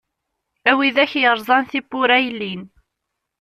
A widak yeṛẓan tibbura yellin.